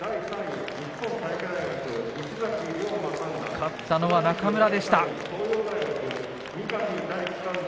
勝ったのは中村でした。